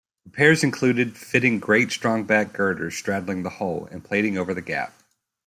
Repairs included fitting great strongback girders straddling the hole and plating over the gap.